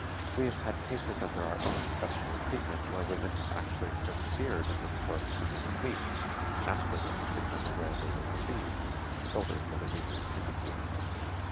We have had cases under our own professional treatment where women have actually persevered in this course for many weeks after they had become aware they were diseased, solely for the reasons indicated.